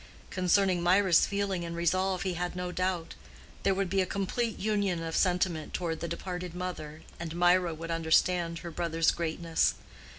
Concerning Mirah's feeling and resolve he had no doubt: there would be a complete union of sentiment toward the departed mother, and Mirah would understand her brother's greatness.